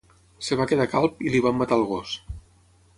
Es va quedar calb i li van matar el gos.